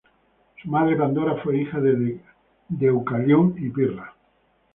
Su madre Pandora fue hija de Deucalión y Pirra.